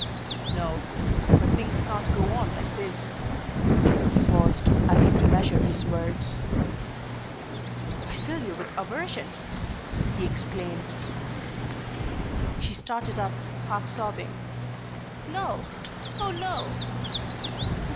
"No; but things can't go on like this." He paused, as if to measure his words. "I fill you with aversion," he exclaimed. She started up, half sobbing. "No oh, no!"